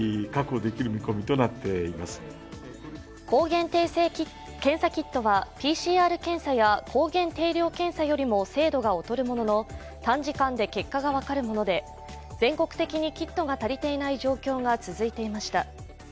抗原定性検査キットはＰＣＲ検査や抗原定量検査よりも精度が劣るのものの短時間で結果が分かるもので、全国的にキットが足りていない状況が続いていました。